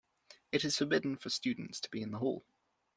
It is forbidden for students to be in the hall.